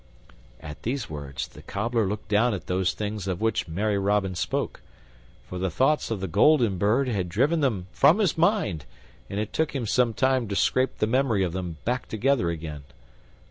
At these words the Cobbler looked down at those things of which merry Robin spoke, for the thoughts of the golden bird had driven them from his mind, and it took him some time to scrape the memory of them back again.